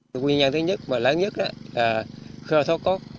nguyên nhân thứ nhất và lớn nhất là khơi thốt cốt